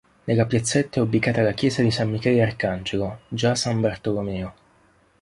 Nella piazzetta è ubicata la chiesa di San Michele Arcangelo, già San Bartolomeo.